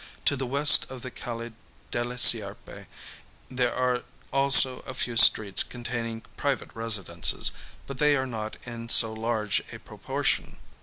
To the west of the Calle de la Sierpe there are also a few streets containing private residences, but they are not in so large a proportion.